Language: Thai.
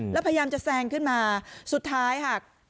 แล้วพยายามจะแซงขึ้นมาสุดท้ายค่ะ